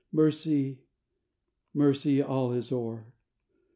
Mercy! Mercy! all is o'er!"